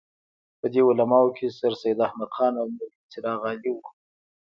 په دې علماوو کې سرسید احمد خان او مولوي چراغ علي وو.